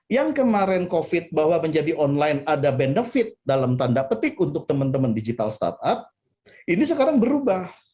yang kemarin covid bahwa menjadi online ada benefit dalam tanda petik untuk teman teman digital startup ini sekarang berubah